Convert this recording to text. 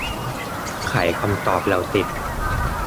ไขคำตอบเราติด